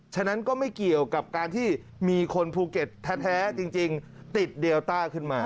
ฉะนั้นก็ไม่เกี่ยวกับการที่มีคนภูเก็ตแท้จริงติดเดลต้าขึ้นมา